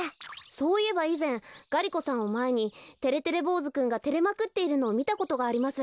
そういえばいぜんがり子さんをまえにてれてれぼうずくんがてれまくっているのをみたことがあります。